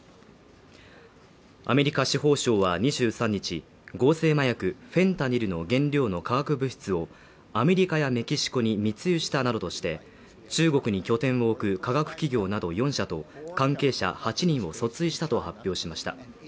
アメリカ司法省は２３日、合成麻薬フェンタニルの原料の化学物質をアメリカやメキシコに密輸したなどとして、中国に拠点を置く化学企業など４社と関係者８人を訴追したと発表しました。